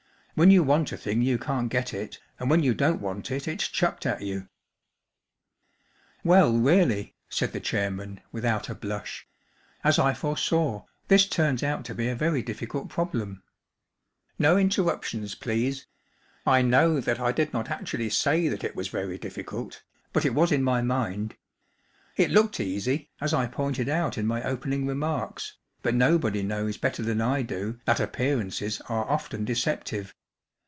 When you want a thing you can’t get tt, and when you don't want it it’s chucked at you." HE DIDN'T SAY ANYTHING. AT ME.’ UNIVERSITY OF MICHIGAN THE PROBLEM CLUB, 205 “Well, really," said the chairman, without a blush, “as I foresaw, this turns out to be a very difficult problem. No interruptions, please. I know that I did not actually say that it was very difficult, but it was in my mind. It looked easy, as I pointed out in my opening remarks, but nobody knows better than I do that appear¬ ances are often deceptive.